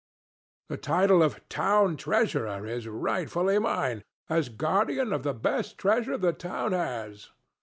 The title of "town treasurer" is rightfully mine, as guardian of the best treasure that the town has.